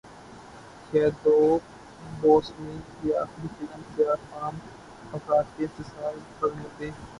Chadwick Boseman کی اخری film سیاہ فام افراد کے استحصال پر مبنی